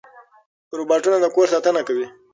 روباټونه د کور ساتنه کوي.